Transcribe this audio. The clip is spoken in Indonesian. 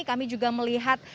kami juga melihat